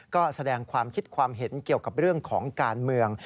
ก็แสดงความคิดความเห็นเกี่ยวกับเรื่องของการเมือง